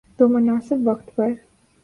تو مناسب وقت پر۔